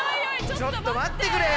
ちょっと待ってよ。